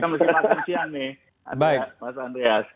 kita mesti makan siang nih mas andreas